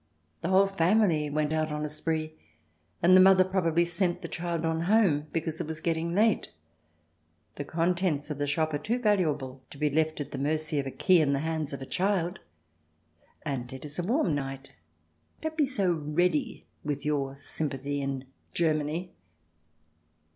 The whole family went out on the spree, and the mother probably sent the child on home because it was getting late. The contents of CH. x] WAITERS AND POLICEMEN 149 the shop are too valuable to be left at the mercy of a key in the hands of a child. And it is a warm night. Don't be so ready with your sympathy — in Germany."